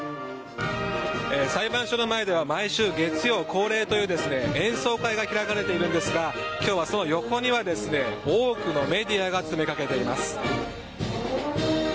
裁判所の前では毎週月曜日恒例の演奏会が開かれているんですが今日はその横には多くのメディアが詰めかけています。